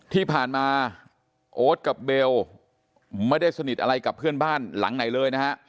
ที่ผ่านมาโอ๊ตกับเบลไม่ได้สนิทอะไรกับเพื่อนบ้านหลังไหนเลยนะฮะ